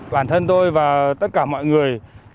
bản thân tôi và tất cả mọi người